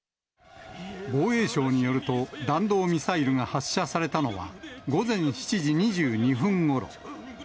防衛省によると、弾道ミサイルが発射されたのは午前７時２２分ごろ。